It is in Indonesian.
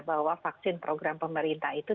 bahwa vaksin program pemerintah itu